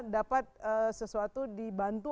dapat sesuatu dibantu